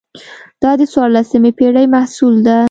دا د څوارلسمې پېړۍ محصول ده.